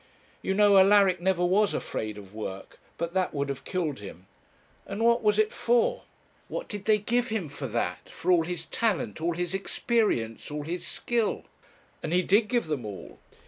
You know Alaric never was afraid of work; but that would have killed him. And what was it for? What did they give him for that for all his talent, all his experience, all his skill? And he did give them all.